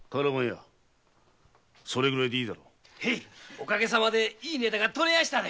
おかげさまでいいネタが取れやした。